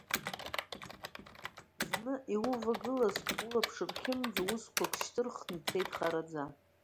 Зны иувагылаз, улаԥш рхьымӡо, усқәак шьҭырхын, ицеит хараӡа.